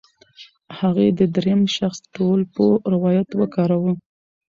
هغې د درېیم شخص ټولپوه روایت وکاراوه.